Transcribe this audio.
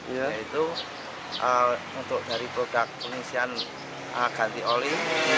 yaitu untuk dari produk pengisian ganti oli